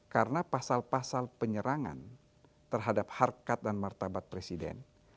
karena pasal pasal penyerangan terhadap harkat dan martabat presiden